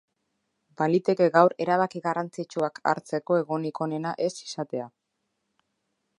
Baliteke gaur erabaki garrantzitsuak hartzeko egunik onena ez izatea.